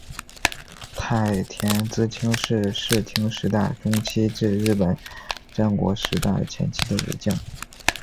太田资清是室町时代中期至日本战国时代前期的武将。